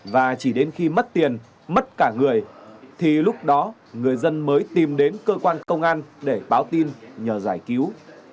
và chỉ đến khi mất tiền mất cả người thì lúc đó người dân mới tìm đến cơ quan công an để báo tin nhờ giải cứu